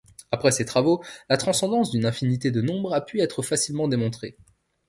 Après ses travaux, la transcendance d'une infinité de nombre a pu être facilement démontrée.